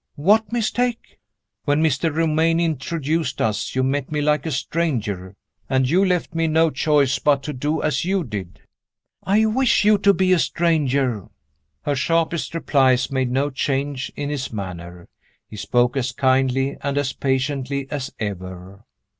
"What mistake?" "When Mr. Romayne introduced us, you met me like a stranger and you left me no choice but to do as you did." "I wish you to be a stranger." Her sharpest replies made no change in his manner. He spoke as kindly and as patiently as ever.